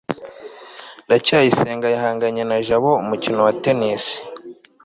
ndacyayisenga yahanganye na jabo umukino wa tennis